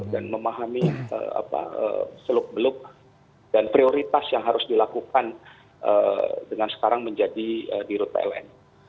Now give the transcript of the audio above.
dan memahami seluk beluk dan prioritas yang harus dilakukan dengan sekarang menjadi di rut pln